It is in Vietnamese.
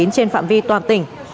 trên phạm vi toàn tỉnh